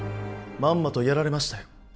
まんまとやられましたよ